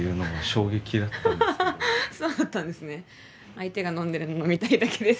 相手が飲んでるもの飲みたいだけです。